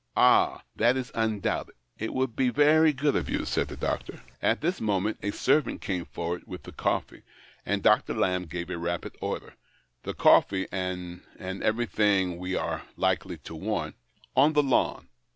" Ah I That is undoubted ; it would be very good of you," said the doctor. 72 THE OCTAVE OF CLAUDIUS. At this moment a servant came forward with the coffee, and Dr. Lamb gave a rapid order, " The coffee and — and everything we are likely to want — on the lawn.